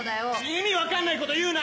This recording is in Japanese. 意味分かんないこと言うな！